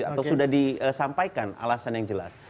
atau sudah disampaikan alasan yang jelas